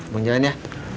mau jualan ya